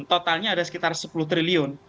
totalnya ada sekitar sepuluh triliun